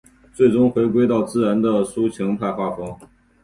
最终回归到自然的抒情派画风。